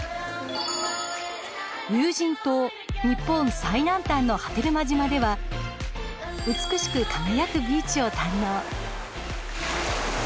有人島日本最南端の波照間島では美しく輝くビーチを堪能。